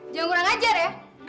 jangan kurang ajar ya